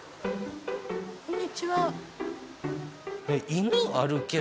こんにちは。